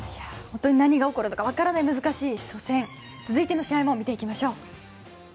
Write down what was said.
何が起こるか分からない難しい初戦続いての試合も見ていきます。